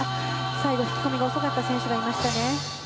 最後、引き込みが遅かった選手がいましたね。